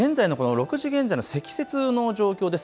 ６時現在の積雪の状況です。